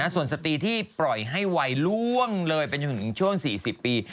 ส่วนสตรีที่ปล่อยให้วัยล่วงเลยไปจนถึงช่วง๔๐ปี